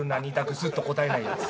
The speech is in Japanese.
スッと答えないやつ